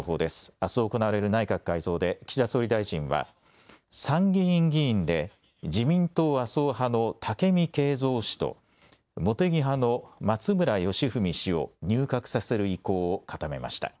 あす行われる内閣改造で岸田総理大臣は参議院議員で自民党麻生派の武見敬三氏と茂木派の松村祥史氏を入閣させる意向を固めました。